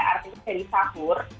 artinya jadi sahur